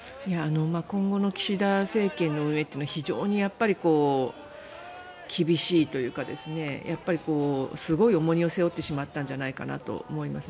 今後の岸田政権の運営というのは非常に厳しいというかやっぱり、すごい重荷を背負ってしまったんじゃないかと思います。